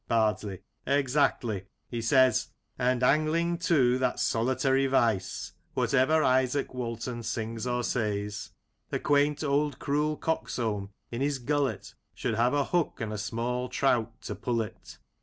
Bardsley : Exactly. He says —" And angling, too, that solitary vice, Whatever Isaak Walton sings or says; The quaint, old, cruel coxcomb, in his gullet Should have a hook, and a small trout to pull it."